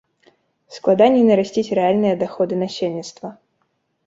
Складаней нарасціць рэальныя даходы насельніцтва.